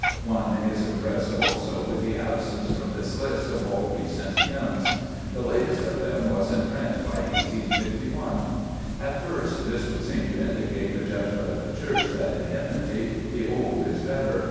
One is impressed also with the absence from this list of all recent hymns. The latest of them was in print by 185 1. At first, this would seem to indicate the judgment of the Church that in hymnody " the old is better.